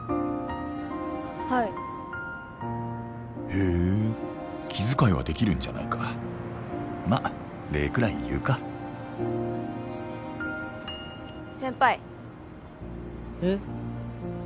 はいへえ気遣いはできるんじゃないかまっ礼くらい言うか先輩うん？